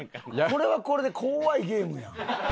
これはこれで怖いゲームやん。